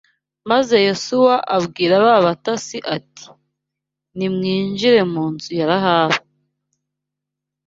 Maze Yosuwa abwira ba batasi ati nimwinjire mu nzu ya Rahabu